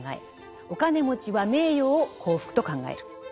お金持ちは「名誉」を幸福と考える。